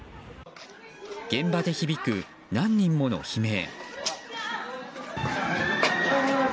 現場で響く何人もの悲鳴。